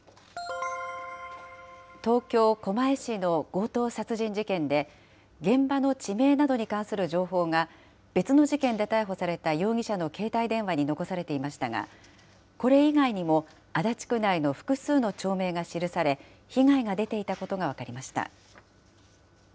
東京・狛江市の強盗殺人事件で、現場の地名などに関する情報が、別の事件で逮捕された容疑者の携帯電話に残されていましたが、これ以外にも、足立区内の複数の町名が記され、被害が出ていたことが分かりました。